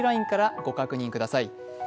ＬＩＮＥからご確認ください。